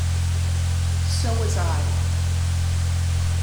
So was I.